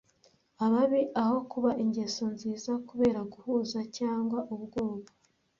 Ababi aho kuba ingeso nziza kubera guhuza cyangwa ubwoba,